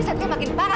sateria makin parah